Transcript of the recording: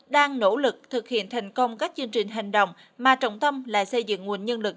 đang nỗ lực thực hiện thành công các chương trình hành động mà trọng tâm là xây dựng nguồn nhân lực